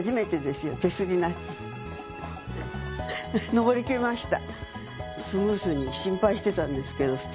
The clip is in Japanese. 上りきりました。